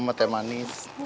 sama teh manis